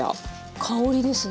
香りですね。